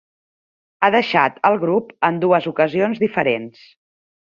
Ha deixat el grup en dues ocasions diferents.